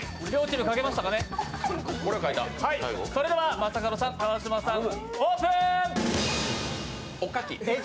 正門さん、川島さんオープン。